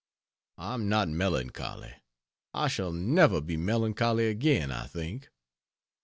I am not melancholy; I shall never be melancholy again, I think.